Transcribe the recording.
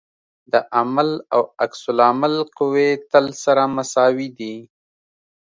د عمل او عکس العمل قوې تل سره مساوي دي.